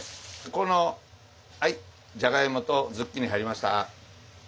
このじゃがいもとズッキーニ入りました。